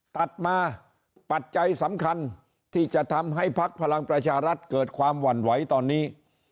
ตัดมาปัจจัยสำคัญที่จะทำให้พักพลังประชารัฐเกิดความหวั่นไหวตอนนี้